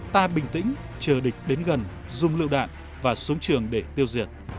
ta bình tĩnh chờ địch đến gần dùng lựu đạn và xuống trường để tiêu diệt